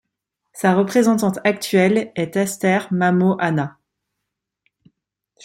Sa représentante actuelle est Aster Mamo Ana.